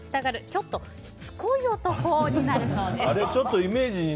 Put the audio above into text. ちょっとしつこい男になるそうです。